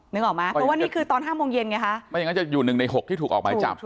นึกออกไหมเพราะว่านี่คือตอนห้าโมงเย็นไงคะไม่อย่างนั้นจะอยู่หนึ่งในหกที่ถูกออกหมายจับ